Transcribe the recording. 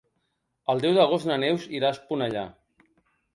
El deu d'agost na Neus irà a Esponellà.